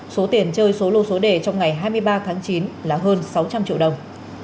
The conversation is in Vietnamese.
số tiền chơi số lô số đề trong ngày hai mươi ba tháng chín là hơn sáu trăm linh triệu đồng